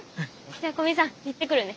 じゃあ古見さん行ってくるね。